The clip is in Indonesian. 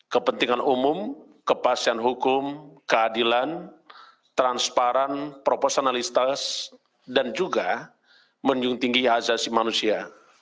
kepentingan umum kepastian hukum keadilan transparan proporsionalitas dan juga menjun tinggi azasi manusia